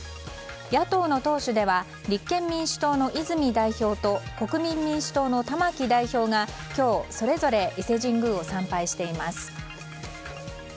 野党の党首では立憲民主党の泉代表と国民民主党の玉木代表が今日、それぞれ伊勢神宮を参拝しています。